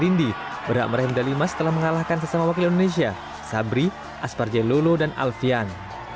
di tim indi berhak merah medali emas telah mengalahkan sesama wakil indonesia sabri asparjelolo dan alfian